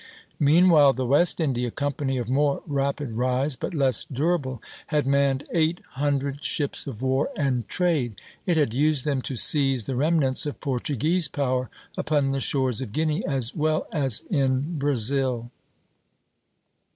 Meanwhile the West India Company, of more rapid rise, but less durable, had manned eight hundred ships of war and trade. It had used them to seize the remnants of Portuguese power upon the shores of Guinea, as well as in Brazil.